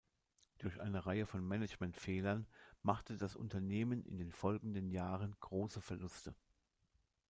Durch eine Reihe von Management-Fehlern machte das Unternehmen in den folgenden Jahren große Verluste.